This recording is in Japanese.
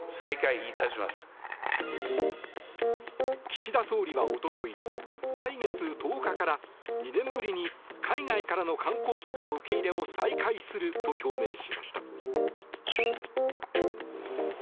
岸田総理は一昨日来月１０日から２年ぶりに海外からの観光客の受け入れを再開すると表明しました。